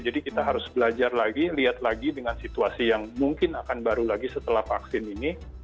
jadi kita harus belajar lagi lihat lagi dengan situasi yang mungkin akan baru lagi setelah vaksin ini